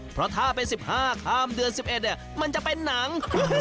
เพราะถ้าเป็นสิบห้าข้ามเดือนสิบเอ็ดมันจะเป็นหนัง